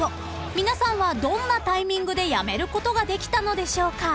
［皆さんはどんなタイミングで辞めることができたのでしょうか？］